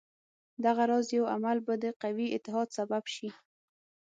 دغه راز یو عمل به د قوي اتحاد سبب شي.